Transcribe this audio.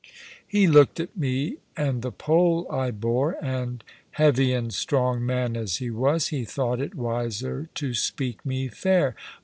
He looked at me and the pole I bore, and, heavy and strong man as he was, he thought it wiser to speak me fair.